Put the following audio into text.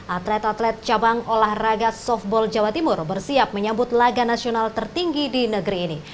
atlet atlet cabang olahraga softball jawa timur bersiap menyambut laga nasional tertinggi di negeri ini